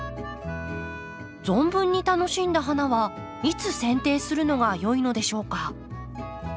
存分に楽しんだ花はいつせん定するのがよいのでしょうか？